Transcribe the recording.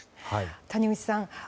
谷口さん。